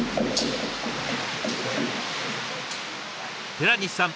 寺西さん